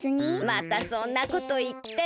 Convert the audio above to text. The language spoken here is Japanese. またそんなこといって。